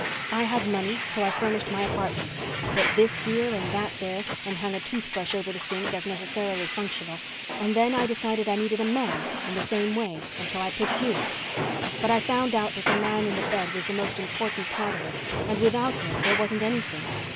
I had money so I furnished my apartment. I put this here and that there, and hung a toothbrush over the sink as necessarily functional, and then I decided I needed a man in the same way and so I picked you. "But I found out that the man in the bed was the most important part of it and without him there wasn't anything.